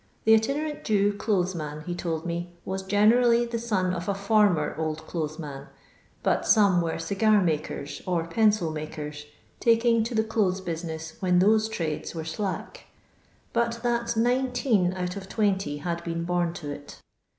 The itinerant Jew clothes man, he told me, waa generally the son of a former old clothes man, bnt some were cigar makers, or pencil makers, taking to the dethes business when those trades were sUck ; but that nineteen out of twenty had been bom to it.